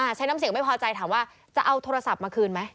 ใช้น้ำเสียงไม่พอใจถามว่าจะเอาโทรศัพท์มาคืนไหม